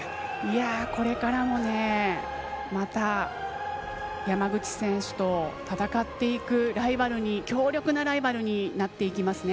これからもまた、山口選手と戦っていく強力なライバルになっていきますね。